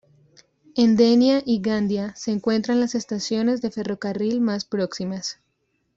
En Denia y Gandía se encuentran las estaciones de ferrocarril más próximas.